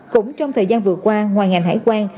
cũng trong thời gian vừa qua ngoài ngành hải quan